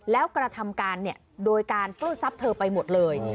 แล้วกระทำการโดยการก็ซับเธอไปหมดเลย